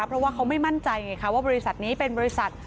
เพราะว่าเขาไม่มั่นใจไงคะว่าบริษัทนี้เป็นบริษัท